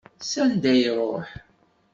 S anda i iṛuḥ?